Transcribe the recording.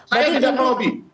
saya tidak melobi